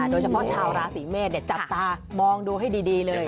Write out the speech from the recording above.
โดยเฉพาะชาวราศีเมษจับตามองดูให้ดีเลย